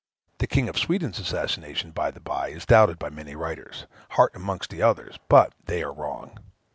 The King of Sweden's assassination, by the by, is doubted by many writers, Harte amongst others; but they are wrong.